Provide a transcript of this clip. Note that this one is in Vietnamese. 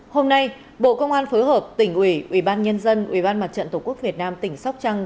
hôm nay bộ công an phối hợp tỉnh ủy ủy ban nhân dân ủy ban mặt trận tổ quốc việt nam tỉnh sóc trăng